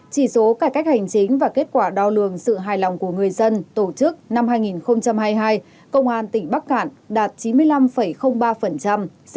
chỉ số cải cách hành chính và kết quả đo lường sự hài lòng của người dân tổ chức năm hai nghìn hai mươi hai công an tỉnh bắc cạn đạt chín mươi năm ba xếp loại xuất sắc